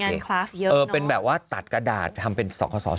เออเป็นแบบว่าตัดกระดาษทำเป็นส่องผสอง